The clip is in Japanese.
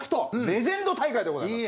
レジェンド大会でございます。